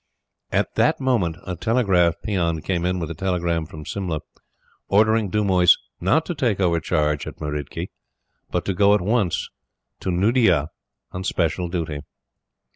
At that moment a telegraph peon came in with a telegram from Simla, ordering Dumoise not to take over charge at Meridki, but to go at once to Nuddea on special duty.